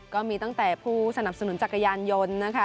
ก็มีตั้งแต่ผู้สนับสนุนจักรยานยนต์นะคะ